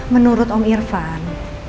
menurut om irfan